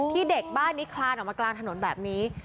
เด็กบ้านนี้คลานออกมากลางถนนแบบนี้